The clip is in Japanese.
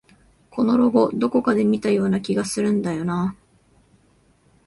このロゴ、どこかで見たような気がするんだよなあ